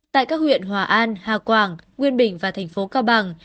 tại các huyện hòa an hà quảng nguyên bình và thành phố cao bằng